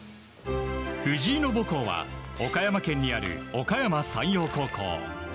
藤井の母校は岡山県にあるおかやま山陽高校。